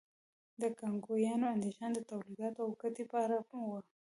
د کانګویانو اندېښنه د تولیداتو او ګټې په اړه وه.